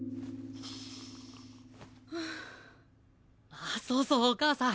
あそうそうお母さん。